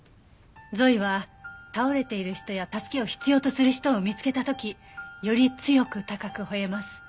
ゾイは倒れている人や助けを必要とする人を見つけた時より強く高く吠えます。